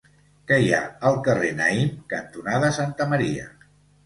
Què hi ha al carrer Naïm cantonada Santa Maria?